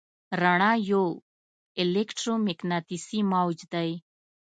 رڼا یو الکترومقناطیسي موج دی.